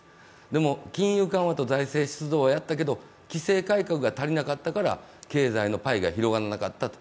でも金融緩和と財政出動をやったけれども、規制改革が足りなかったから経済のパイが広がらなかったと。